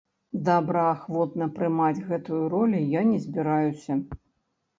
Добраахвотна прымаць гэтую ролю я не збіраюся.